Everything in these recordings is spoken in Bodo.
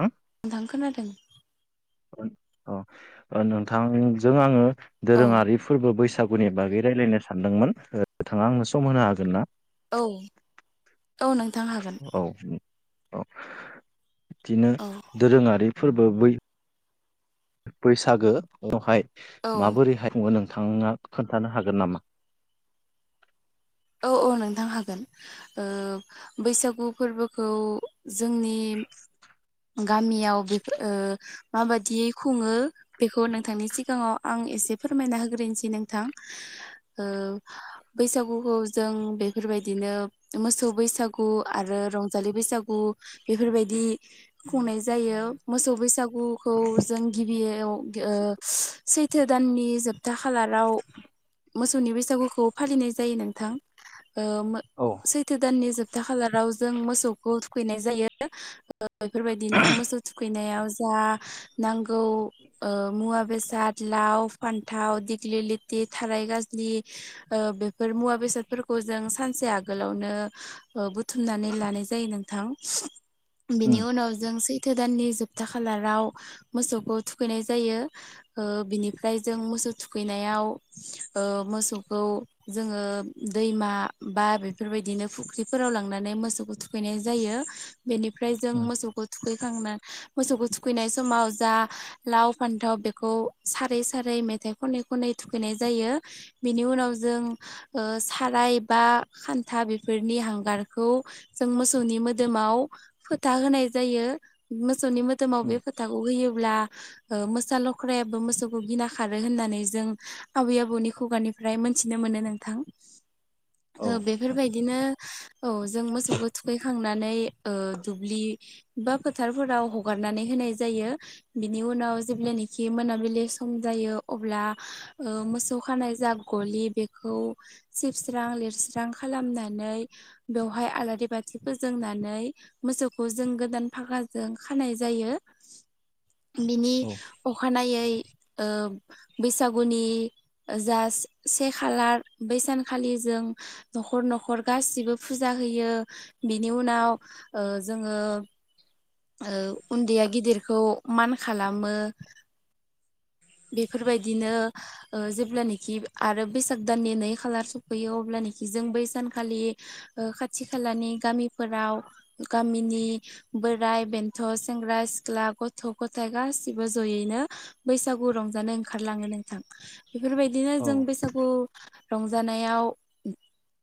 हा नोंथां खोनादों? अ नोंथांजों आङो औ दोरोङारि फोरबो बैसागुनि बागै रायज्लायनो सानदोंमोन नोंथाङा आंनो सम होनो हागोन ना? औ औ नोंथां हागोन [inaudible] औ औ बिदिनो औ दोरोङारि फोरबो बै बैसागो उनावहाय औ माबोरैहायो खुङो नोंथाङा खोन्थानो हागोन नामा? औ औ नोंथां हागोन ओ बैसागु फोरबोखौ जोंनि गामियाव बेफोर ओ माबादियै खुङो बेखौ नोंथांनि सिगाङाव आं एसे फोरमायना होग्रोनोसै नोंथां ओ बैसागुखौ जों बेफोरबायदिनो मोसौ बैसागु आरो रंजालि बैसागु बेफोरबायदि खुंनाय जायो मोसौ बैसागुखौ जों गिबियाव ओ सैथो दाननि जोब था खालाराव मोसौनि बैसागुखौ फालिनाय जायो नोंथां ओ मो औ सैथो दाननि जोब [unintelligible] खालाराव जों मोसौखौ थुखैनाय जायो बेफोरबायदिनो मोसौ थुखैनायाव बा नांगौ ओ मुवा बेसाद लाव फान्थाव दिग्लि लिथि थाराय गाज्लि ओ बेफोर मुवा बेसाद फोरखौ जों सानसे आगोलावनो बुथुमनानै लानाय जायो नोंथां उम बिनि उनाव जों सैथो दाननि जोबथा खालाराव मोसौखौ थुखैनाय जायो ओ बिनिफ्राय जों मोसौ थुखैनायाव ओ मोसौखौ जोङो दैमा बा बेफोरबायदिनो फुख्रिफोराव लांनानै मोसौखौ थुखैनाय जायो बेनिफ्राय जों उम मोसौखौ थुखैखांना मोसौखौ थुखैनाय समाव जा लाव फान्थाव बेखौ सारै सारै मेथाइ खनै खनै थुखैनाय जायो बिनि उनाव जों ओ साराय बा खान्था बेफोरनि हांगारखौ जों मोसौनि मोदोमाव फोथा होनाय जायो मोसौनि मोदोमाव बे उम फोथ फोथाखौ होयोब्ला ओ मोसा लख्रायाबो मोसौखौ गिना खारो होननानै जों आबै आबौनि खुगानि ओमफ्राय मोनथिनो मोनो नोंथां औ ओ बेफोरबायदि बिदिनो औ जों मोसौखौ थुखैखांनानै ओ दुब्लि बा फोथारफोराव हगारनानै होनाय जायो बिनि उनाव जेब्लानिखि मोनाबिलि सम जायो अब्ला मोसौ खानाय जा गलि बेखौ सिबस्रां लिरस्रां खालामनानै बेवहाय आलारि बाथि फोजोंनानै मोसौखौ जों गोदान फागाजों खानाय जायो बिनि औ अखानायै बैसागुनि जा से खालार बै सानखालि जों न'खर न'खर गासिबो फुजा होयो बिनि उनाव ओ जोङो ओ उन्दैया गिदिरखौ मान खालामो बेफोरबायदिनो ओ जेब्लानाखि आरो बैसाग दाननि नै खालार सफैयो अब्लनिखि जों बै सानखालि खाथि खालानि गामिफोराव गामिनि बोर बोराइ बेन्थ' सेंग्रा सिख्ला गथ' गथाइ गासिबो जयैनो बैसागु रंजानो ओंखारलाङो नोंथां बेफोरबायदिनो औ जों बैसागु रंजानायाव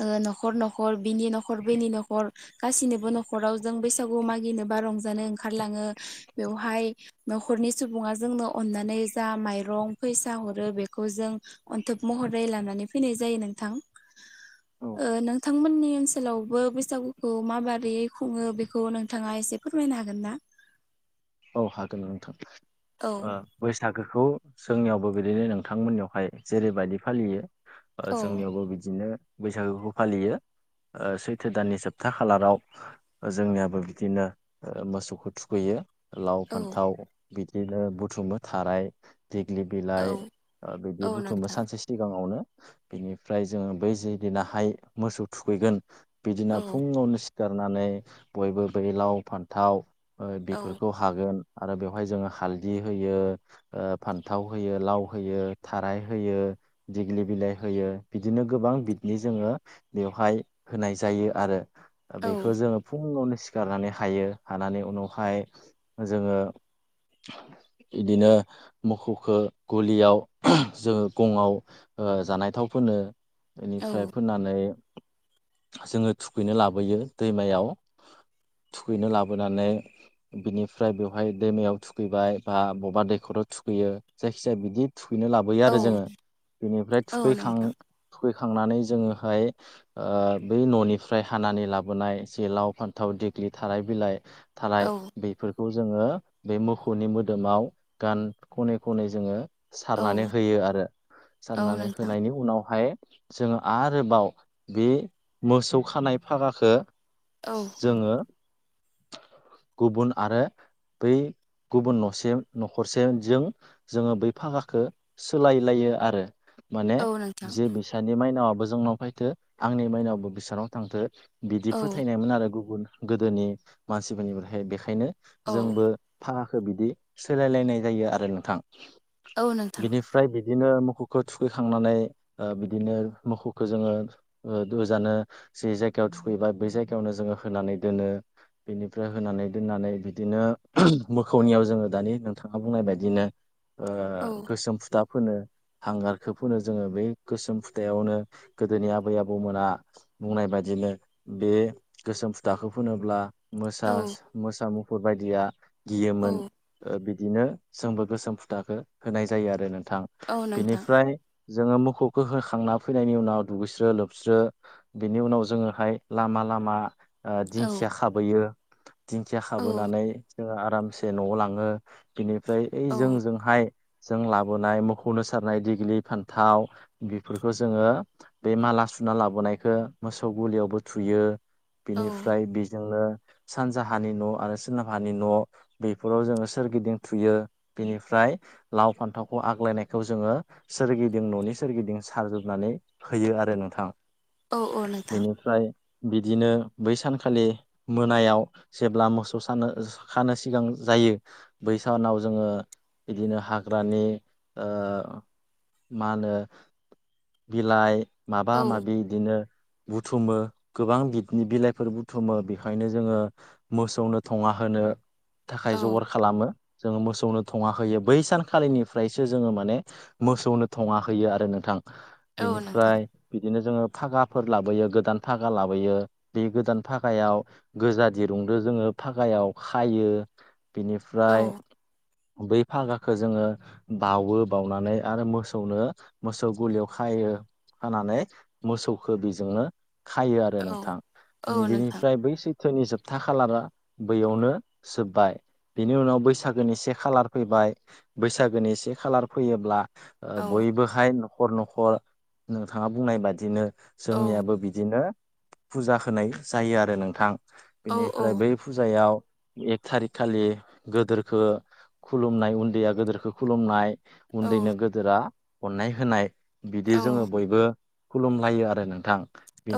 ओ न'खर न'खर बिनि न'खर बैनि न'खर गासिनोबो न'खराव जों बैसागु मागिनोबा रंजानो ओंखारलाङो बेवहाय न'खरनि सुबुङा जोंनो अननानै जा माइरं फैसा हरो बेखौ जों अन्थोब महरै लानानै फैनाय जायो नोंथां औ ओ नोंथांमोननि ओनसोलावबो बैसागुखौ माबारै खुङो बेखौ नोंथाङा एसे फोरमायनो हागोन ना औ हागोन नोंथां औ ओ बैसागोखौ जोंनियावबो बिदिनो नोंथांमोननियावहाय जेरैबायदि फालियो ओ औ जोंनियावबो बिदिनो बैसागोखौ फालियो ओ सैथो दाननि जोबथा खालाराव जोंनियाबो बिदिनो मोसौखौ थुखैयो लाव औ फान्थाव बिदिनो बुथुमो थाराय देग्लि औ बिलाइ बिदि औ बुथुमबो नोंथां सानसे सिगाङावनो बिनिफ्राय जोङो बै जि दिनाहाय मोसौ थुखैगोन बिदिना औ फुङावनो सिखारनानै बयबो बे लाव फान्थाव ओ औ बेफोर- हागोन आरो बेवहाय जोङो हालदि होयो फान्थाव होयो लाव होयो थाराय होयो दिग्लि बिलाइ होयो बिदिनो गोबां बिदनि जोङो बेवहाय होनाय जायो आरो औ बेखौ जोङो फुङावनो सिखारनानै हायो हानानै उनावहाय जोङो बिदिनो मोसौखो गलियाव जोङो गङाव ओ जानाय थाव फोनो औ बेनिफ्राय फोननानै जोङो थुखैनो लाबोयो दैमायाव थुखैनो लाबोनानै बिनि फ्राय बेवहाय दैमायाव थुखैबाय बा बबेबा दैखराव थुखैयो जायखि जाया बिदि थुखैनोना लाबो दुगैयो औ आरो जोङो बेनिफ्राय औ थुखैखां नोंथां थुखैखांनानै जोङोहाय आ बै न'निफ्राय हानानै लाबोनाय जेलाव फान्थाव देग्लि थाराइ बिलाइ थालाय औ बे बेखौ जोङो बे मोसौनि मोदोमाव गान खनै खनै जोङो औ सारनानै होयो आरो औ सारनानै नोंथां होनायनि उनावहाय जोङो आरोबाव बे मोसौ खानाय फागाखौ औ जोङो गुबुन आरो बै गुबुन न'से न'खरसे जों जोङो बै फागाखो सोलाय लायो आरो माने औ नोंथां जे बिसोरनि माइनावाबो जोंनाव फैथो आंनि माइनावाबो बिसोरनाव थांथो बिदि औ फोथायनायमोन आरो गुबुन गोदोनि मानसिफोरनिफ्रायहाय बेखायनो औ जोंबो फागाखो बिदि सोलायलायनाय जायो आरो नोंथां औ नोंथां बिनि फ्राय बिदिनो मोखौखौ थुखैखांनानै बिदिनो मोखौखौ जोङो ओ ओजानो जि जायगायाव थुखैबाय बे जायगायावनो जोङो होनानै दोनो बिनिफ्राय होनानै दोननानै बि दिनो मोखौनियाव जोङो दानि नोंथाङा बुंनाय बायदिनो औ ओ गोसोम फुथा फोनो हांगारखो फोनो जोङो बे गोसोम फुथायावनो गोदोनि आबै आबौमोना बुंनाय बाददिनो बे गोसोम फुथाखौ फोनोब्ला औ मोसास मोसा मुफुर बायदिया गियोमोन। औ ओ बिदिनो जोंबो गोसोम फुथाखो होनाय जायो आरो नोंथां औ नोंथां बिनिफ्राय जोङो मोखौखो होखांना फैनायनि उनाव दुगैस्रो लोबस्रो बिनि उनाव जोङोहाय लामा लामा ओ औ दिंखिया खाबोयो दिंखिया औ खाबोनानै जोङो आरामसे न'आव लाङो बिनिफ्राय ओइ औ जोंजोंहाय जों लाबोनाय मोखौनो सारनाय दिग्लि फान्थाव बेफोरखौ जोङो बे माला सुना लाबोनायखो मोसौ गलियावबो थुयो औ बेनिफ्राय बेजोंनो सानजाहानि न' आरो सोरोनाबहानि न' बेफोराव जोङो सोरगिदिं थुयो बेनिफ्राय लाव फान्थावखौ आग्लायनायखौ जोङो सोरगिदिं न'नि सोरगिदिं सारजोबनानै होयो आरो नोंथां औ नोंथां बेनिफ्राय बिदिनो बै सानखालि मोनायाव जेब्ला मोस सानो खानो सिगां जायो बैसानाव जोङो बिदिनो हाग्रानि ओ मा होनो बिलाइ माबा औ माबि दिनो बुथुमो गोबां बिदनि-बिनि बिलाइफोर बुथुमो बेखायनो जोङो मोसौनो थङा होनो थाखाय जगार औ खालामो जोङो मोसौनो थङा होयो बै सानखालिनिफ्रायसो जोङो माने मोसौनो थङाहैयो आरो नोंथां औ नोंथां बेनिफ्राय बिदिनो जोङो फागाफोर लाबोयो गोदान फागा लाबोयो बे गोदान फागायाव गोजा दिरुंजों जोङो फागायाव खायो औ बिनिफ्राय बै फागाखो जोङो बावो बाउनानै आरो मोसौनो मोसौ गलियाव खायो। होनानै मोसौखौ बेजोंनो खायो आरो नोंथां औ नोंथां बेनिफ्राय बै सैथोनि जोबथा खालारा बैयावनो जोब्बाय बिनि उनाव बैसागोनि से खालार फैबाय बैसागोनि से खालार फैयोब्ला ओ औ बयबोहाय न'खर न'खर नोंथाङा बुंनाय बादिनो औ जोंनियाबो बिदिनो फुजा खोनाय जायो आरो नोंथां औ बेनिफ्राय बै फुजायाव एक थारिख खालि गोदोरखो खुलुमनाय उन्दैया गोदोेरखौ खुलुमनाय औ उन्दैनो गोदोरा अननाय होनाय बिदि औ जोङो बयबो खुलुमलायो आरो नोंथां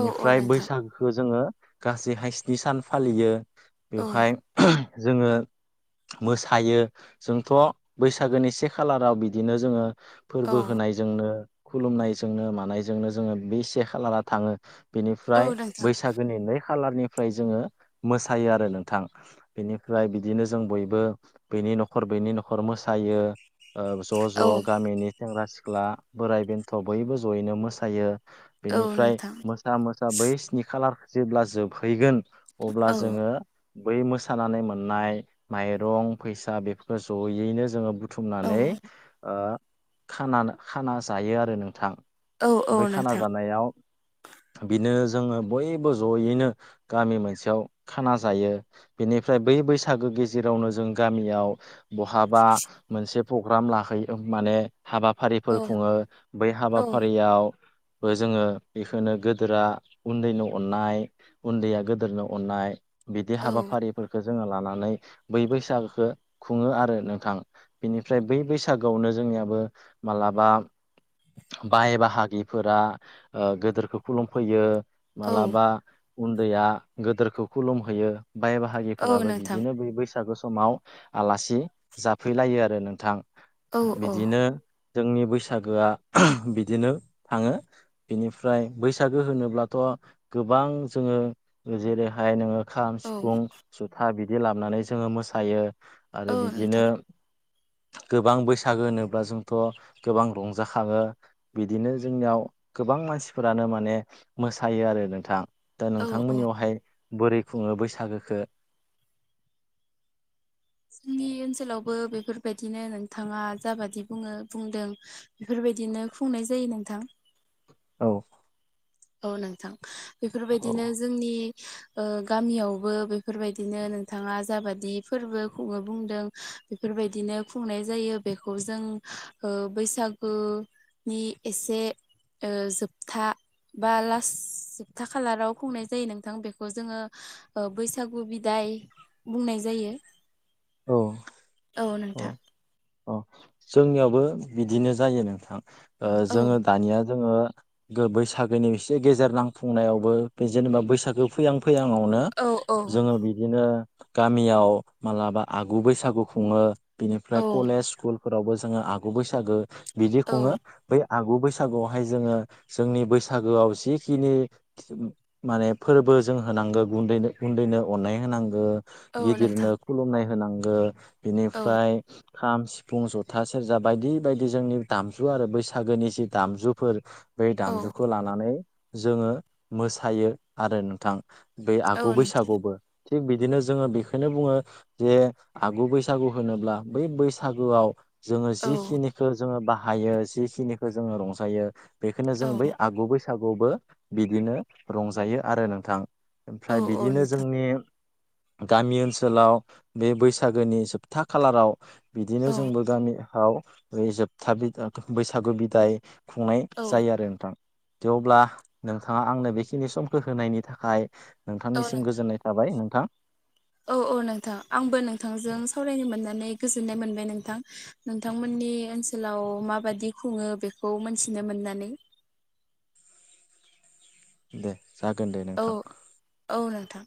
औ नोंथां बैसागो खो जोङो गासैहाय स्नि सान फालियो औ बेवहाय जोङो मोसायो जोंथ' बैसागोनि से खालाराव बिदिनो जोङो औ फोरबो होनायजोंनो खुलुमनायजोंनो मानायजोंनो जोङो बै से खालारा थाङो औ बेनिफ्राय नोंथां बैसागोनि नै खालारनिफ्राय जोङो मोसायो आ रो नोंथां बेनिफ्राय बिदिनो जों बयबो बैनि नखर बैनि नखर मोसायो। ओ ज' औ ज' गामिनि सेंग्रा सिख्ला बोराय बेन्थ बयबो जयैनो मोसायो। औ बेनिफ्राय नोंथां मोसा मोसा बै स्नि खालार जेब्ला जोबहैगोन औ अब्ला जोङो बै मोसानानै मोननाय माइरं, फैसा बेफोर जयैनो जोङो बु थुमनानै औ ओ खाना-खाना जायो आरो नोंथां। औ औ बै खाना नोंथां औ जानायाव बिनो जोङो बयबो जयैनो गामि मोनसेयाव खाना जायो बेनिफ्राय बै बैसागो गेजेरावनो जों गामियाव बहाबा मोनसे प्रग्राम लाहैयो माने हाबाफारिफोर खुङो बै औ हाबाफारियाव जोङो बेखौनो गेदेरा उन्दैनि अननाय उन्दैया गोदोरनो अननाय बिदि औ हाबाफारि फोरखौ जोङो लानानै बै बैसागोखौ खुङो आरो नोंथां बिनिफ्राय बै बैसागोआवनो जोंनियाबो मालाबा बाय बाहागिफोरा गोदोरखौ खुलुमफैयो औ नोंथां औ मालाबा उन्दैया गोदोरखौ खुलुमहोयो बाय बाहाय औ बाहागिफोराबो बिदिनो बे बैसागु समाव आलासि जाफैलायो आरो नोंथां। बिदिनो जोंनि बैसागोआ बिदिनो थाङो बिनिफ्राय बैसागो होनोब्लाथ' गोबां जोङो जेरै र ओमफ्राय नोङो खाम सिफुं जुथा बिदि लाबोनानै जोङो मोसायो आरो नोंथां बिदिनो गोबां बैसागो होनोब्ला जोंथ गोबां रंजाखाङो बिदिनो जोंनियाव गोबां मानसिफोरानो माने मोसायो आरो नोंथां। दा औ औ नोंथांमोननियावहाय बोरै खुङो बैसागोखौ जोंनि ओनसोलावबो बेफोरबायदिनो नोंथाङा जाबादि बुङो बुंदों बेफोरबायदिनो खुंनाय जायो नोंथां। औ औ नोंथां बेफोरबायदिनो औ जोंनि ओ गामियावबो बेफोरबायदिनो नोंथाङा जाबादि फोरबो खुङनो बुंदों बेफोरबायदिनो खुंनाय जायो बेखौ जों ओ बैसागु नि एसे जोबथा बा लास जोबथा खालाराव खुंनाय जायो नोंथां बेखौ जोङो ओ बैसागु बिदाय बुंनाय जायो। औ औ अ जोंनियावबो बिदिनो जायो नोंथां ओ औ जोङो दानिया जोङो गो बैसागोनि एसे गेजेर नांफुंनायावबो बे जेनेबा बैसागो फैहां फैहांआवनो औ औ जोङो बिदिनो गामियाव मालाबा आगु बैसागु खुङो बिनिफ्राय औ कलेज स्कुलफोरावबो जोङो आगु बैसागो बिदि खुङो औ बै आगु बैसागुआवहाय जोङो जोंनि बैसागोआव जिखिनि माने फोरबो जों होनांगो गुन्दैनो गुन्दैनो अननाय होनांगौ औ नोंथां गिदिरनो खुलुमनाय होनांगो औ बिनिफ्राय खाम सिफुं फुं जथा सेरजा बायदि बायदि जोंनि दामजु आरो बैसागोनि जि दामजुफोर बै औ दामजुखौ लानानै जोङो मोसायो आरो नोंथां बे औ आगु नोंथां बैसागुबो थिग बिदिनो जोङो बेखौनो बुङो जे आगु बैसागु होनोब्ला बै बैसागुआव जोङो औ जिखिनिखो जोङो बाहायो जिखिनिखो जोङो रंजायो बेखौनो औ जों बै आगु बैसागुबो बिदिनो रंजायो आरो नोंथां औ ओमफ्राय औ बिदिनो नोंथां जोंनि गामि ओनसोलाव बे बैसागोनि जोबथा खालाराव बिदिनो औ जोंबो गामियाव बे जोबथा बैसागु बिदाय खुंनाय औ जायो आरो नोंथां थेवब्ला नोंथाङा आंनो बेखिनि समखौ होनायनि थाखाय नोंथां नोंथांनिसिम गोजोननाय जाबाय नोंथां‌। औ औ नोंथां आंबो नोंथांजों सावरायनो मोननानै गोजोननाय मोनबाय नोंथां। नोंथांमोननि ओनसोलाव माबादि खुङो बेखौ मोनथिनो मोननानै दे जागोन दे औ नोंथां औ नोंथां